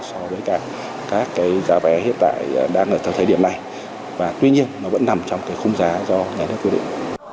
so với cả các cái giá vé hiện tại đang ở trong thời điểm này và tuy nhiên nó vẫn nằm trong cái khung giá do nhà nước quy định